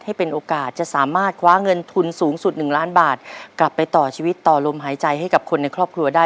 ให้เป็นโอกาสจะสามารถคว้าเงินทุนสูงสุด๑ล้านบาทกลับไปต่อชีวิตต่อลมหายใจให้กับคนในครอบครัวได้